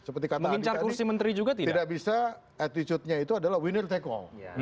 seperti kata adik adik tidak bisa attitude nya itu adalah winner take all